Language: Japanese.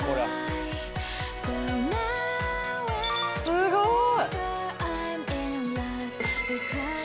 すごい。